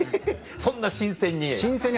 そんな新鮮に？